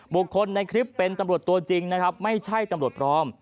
บุคคลในคลิปเป็นตำรวจตัวจริงนะครับไม่ใช่ตำรวจพร้อม